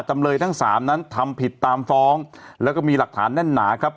จำเลยทั้งสามนั้นทำผิดตามฟ้องแล้วก็มีหลักฐานแน่นหนาครับ